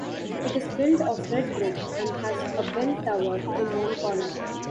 It is built of red brick and has a bell tower in one corner.